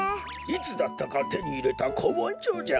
いつだったかてにいれたこもんじょじゃ。